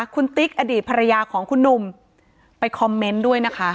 คุณติ๊กอดีตภรรยาของคุณหนุ่มไปคอมเมนต์ด้วยนะคะ